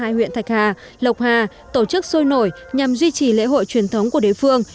của thạch hà lộc hà tổ chức sôi nổi nhằm duy trì lễ hội truyền thống của đế phương